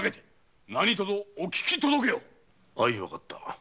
わかった。